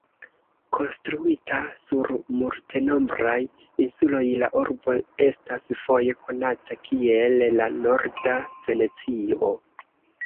Konstruita sur multenombraj insuloj, la urbo estas foje konata kiel "la Norda Venecio".